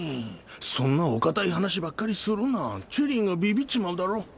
そんなお堅い話ばっかりするなチェリーがビビっちまうだろ。